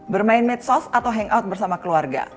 bermain medsos atau hangout bersama keluarga